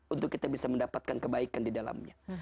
untuk kita bisa mendapatkan kebaikan di dalamnya